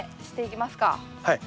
はい。